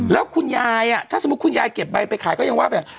แล้วคุณยายถ้าสมมุติคุณยายเก็บใบไปขายก็ยังว่าแบบ